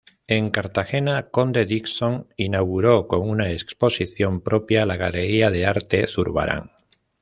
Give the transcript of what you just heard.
En Cartagena Conde Dixon inauguró, con una exposición propia, la Galería de arte Zurbarán.